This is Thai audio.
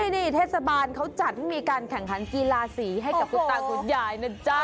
นี่เทศบาลเขาจัดมีการแข่งขันกีฬาสีให้กับตาขุนใหญ่นะจ้า